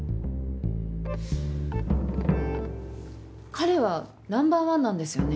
彼はナンバー１なんですよね？